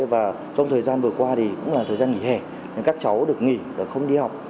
và trong thời gian vừa qua thì cũng là thời gian nghỉ hè nên các cháu được nghỉ và không đi học